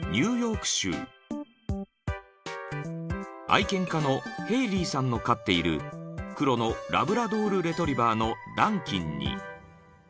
［愛犬家のヘーリーさんの飼っている黒のラブラドルレトリバーのダンキンに］